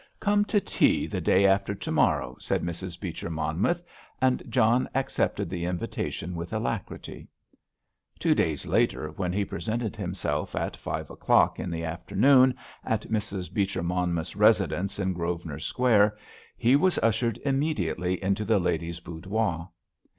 "Come to tea the day after to morrow," said Mrs. Beecher Monmouth, and John accepted the invitation with alacrity. Two days later when he presented himself at five o'clock in the afternoon at Mrs. Beecher Monmouth's residence in Grosvenor Square, he was ushered immediately into the lady's boudoir.